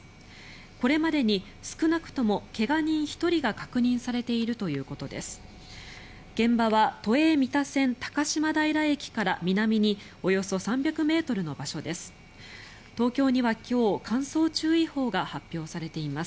これまでに少なくとも怪我人１人が確認されているということです。